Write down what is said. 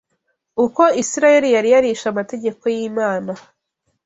uko Isirayeli yari yarishe amategeko y’Imana